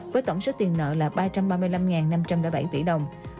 với tổng số tiền nợ là ba trăm ba mươi năm năm trăm linh bảy đơn vị